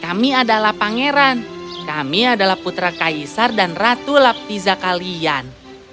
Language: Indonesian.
kami adalah pangeran kami adalah putra kaisar dan ratu laptiza kalian